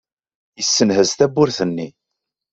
Yessenhezz tawwurt-nni.